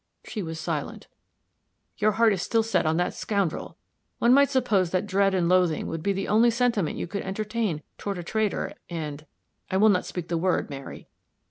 She was silent. "Your heart is still set on that scoundrel. One might suppose that dread and loathing would be the only sentiment you could entertain toward a traitor and I will not speak the word, Mary.